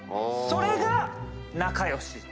それが仲良し。